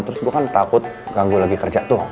terus gue kan takut ganggu lagi kerja tuh